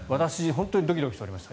本当にドキドキしておりました。